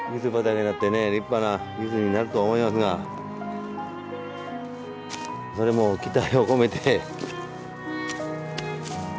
立派なゆずになると思いますがそれも期待を込めて。